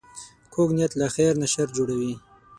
کوږ نیت له خیر نه شر جوړوي